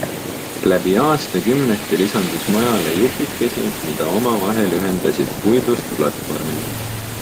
Läbi aastakümnete lisandus majale jupikesi, mida omavahel ühendasid puidust platvormid.